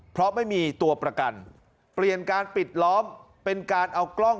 เพราะไม่มีตัวประกันเปลี่ยนการปิดล้อมเป็นการเอากล้อง